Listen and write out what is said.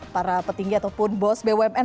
para petinggi ataupun bos bumn